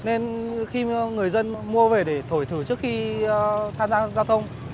nên khi người dân mua về để thổi thử trước khi tham gia giao thông